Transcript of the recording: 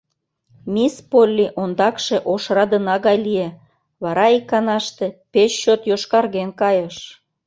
Мисс Полли ондакше ош радына гай лие, вара иканаште пеш чот йошкарген кайыш.